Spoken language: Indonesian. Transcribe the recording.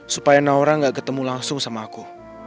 supaya naura gak ketemu langsung sama aku